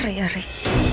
lo denger ya rik